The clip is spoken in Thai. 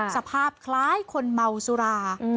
สภาพคล้ายคนเมาสุรา